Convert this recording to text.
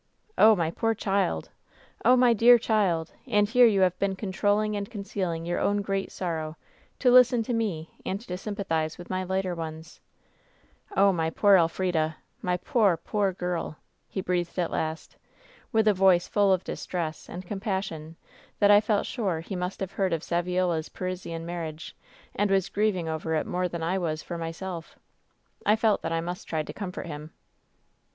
" 'Oh, my poor child ! Oh, my dear child ! And here you have been controlling and concealing your own great sorrow to listen to me and to sympathize with my lighter ftoe WHEN SHADOWS DIE ones. Oh, my poor Elf rida ! My poor, poor girl !' ho breathed at last, with a voice full of distress and compas sion that I felt sure he must have heard of Saviola^s Parisian marriage, and was grieving over it more than I was for myself. I felt that I must try to comfort him.